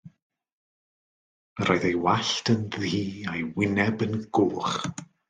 Yr oedd ei wallt yn ddu a'i wyneb yn goch.